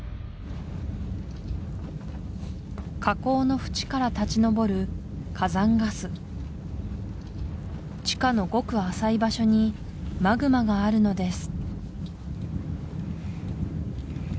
火口の縁から立ち上る火山ガス地下のごく浅い場所にマグマがあるのです